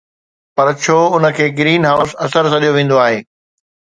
پر ڇو ان کي گرين هائوس اثر سڏيو ويندو آهي؟